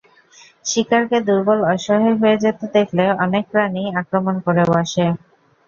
শিকারকে দুর্বল অসহায় হয়ে যেতে দেখলে অনেক প্রাণীই আক্রমণ করে বসে।